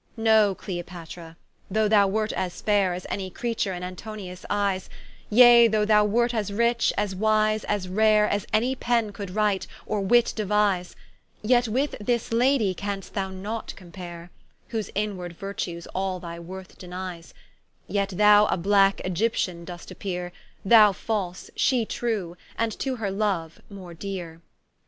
No Cleopatra, though thou wert as faire As any Creature in Antonius eyes; Yea though thou wert as rich, as wise, as rare, As any Pen could write, or Wit deuise; Yet with this Lady canst thou not compare, Whose inward virtues all thy worth denies: Yet thou a blacke Egyptian do'st appeare; Thou false, shee true; and to her Loue more deere.